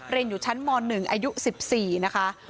เรียนอยู่ชั้นม๑อายุ๑๔นะคะ